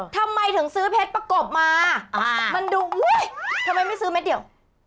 ทำไมถึงซื้อเพชรประกบมามันดูอุ้ยทำไมไม่ซื้อเม็ดเดียว